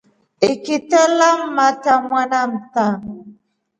Ikite lammatra mwana mta.